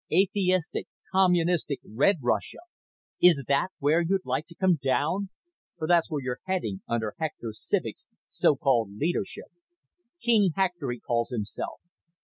Atheistic, communistic Red Russia. Is that where you'd like to come down? For that's where you're heading under Hector Civek's so called leadership. King Hector, he calls himself.